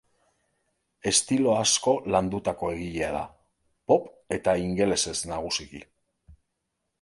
Estilo asko landutako egilea da, pop eta ingelesez nagusiki.